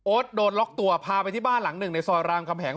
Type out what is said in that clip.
โดนล็อกตัวพาไปที่บ้านหลังหนึ่งในซอยรามคำแหง